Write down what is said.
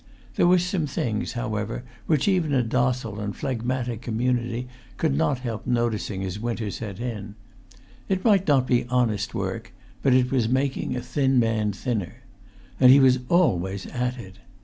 There were some things, however, which even a docile and phlegmatic community could not help noticing as winter set in. It might not be honest work, but it was making a thin man thinner. And he was always at it.